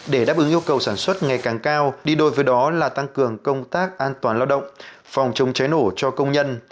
để đáp ứng yêu cầu sản xuất ngày càng cao đi đôi với đó là tăng cường công tác an toàn lao động phòng chống cháy nổ cho công nhân